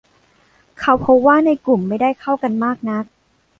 เขาพบว่าในกลุ่มไม่ได้เข้ากันมากนัก